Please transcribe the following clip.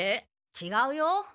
ちがうよ。